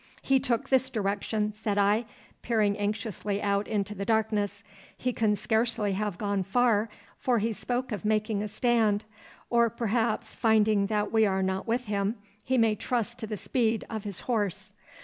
'He took this direction,' said I, peering anxiously out into the darkness. 'He can scarce have gone far, for he spoke of making a stand. Or, perhaps, finding that we are not with him, he may trust to the speed of his horse.